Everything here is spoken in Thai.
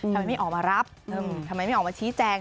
ทำไมไม่ออกมารับทำไมไม่ออกมาชี้แจง